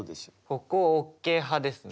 歩行ＯＫ派ですね。